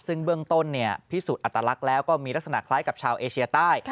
ซึ่งเบื้องต้นพิสูจน์อัตลักษณ์แล้วก็มีลักษณะคล้ายกับชาวเอเชียใต้